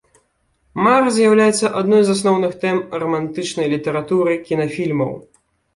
Мара з'яўляецца адной з асноўных тэм рамантычнай літаратуры, кінафільмаў.